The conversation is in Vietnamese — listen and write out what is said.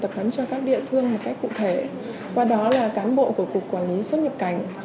tập huấn cho các địa phương một cách cụ thể qua đó là cán bộ của cục quản lý xuất nhập cảnh